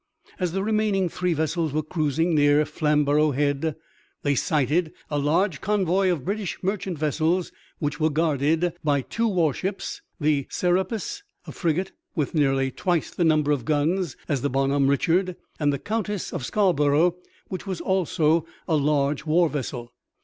As the remaining three vessels were cruising near Flamborough Head, they sighted a large convoy of British merchant vessels which were guarded by two warships the Serapis, a frigate with nearly twice the number of guns as the Bonhomme Richard, and the Countess of Scarborough which was also a large war vessel.